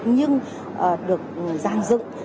nhưng được dàn dựng